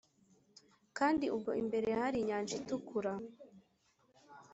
kandi ubwo imbere hari inyanja itukura